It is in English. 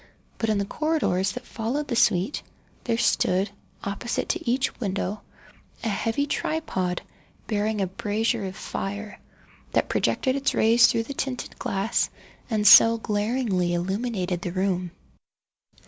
But in the corridors that followed the suite, there stood, opposite to each window, a heavy tripod, bearing a brazier of fire, that projected its rays through the tinted glass and so glaringly illumined the room.